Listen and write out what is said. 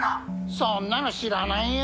そんなの知らないよ。